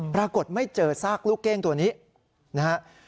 ปรากฏไม่เจอซากลูกเก้งตัวนี้นะครับ